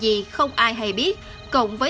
gì không ai hay biết cộng với